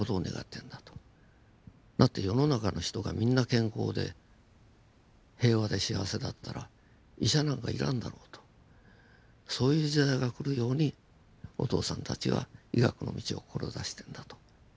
だって世の中の人がみんな健康で平和で幸せだったら医者なんか要らんだろうとそういう時代が来るようにお父さんたちは医学の道を志してんだと。